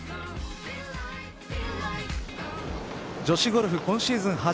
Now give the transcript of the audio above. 女子ゴルフ今シーズン